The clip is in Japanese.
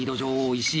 石井。